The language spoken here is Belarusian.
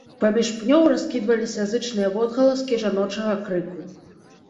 Паміж пнёў раскідваліся зычныя водгаласкі жаночага крыку.